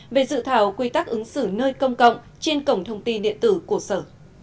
về dự thảo quy tắc ứng xử nơi công cộng trên cổng thông tin điện tử của sở